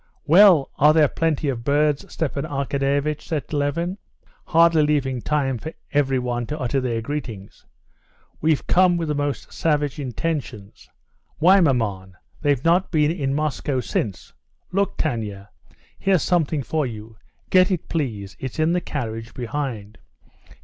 "Well, are there plenty of birds?" Stepan Arkadyevitch said to Levin, hardly leaving time for everyone to utter their greetings. "We've come with the most savage intentions. Why, maman, they've not been in Moscow since! Look, Tanya, here's something for you! Get it, please, it's in the carriage, behind!"